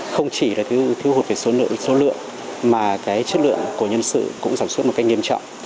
không chỉ là thiếu hụt về số lượng số lượng mà cái chất lượng của nhân sự cũng sản xuất một cách nghiêm trọng